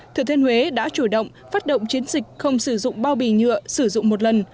thừa thiên huế đã chủ động phát động chiến dịch không sử dụng bao bì nhựa sử dụng một lần